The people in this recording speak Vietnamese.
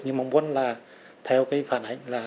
nhưng mong muốn là theo cái phản ảnh